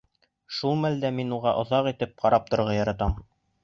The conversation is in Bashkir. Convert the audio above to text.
Шул мәлдә мин уға оҙаҡ итеп ҡарап торорға яратам.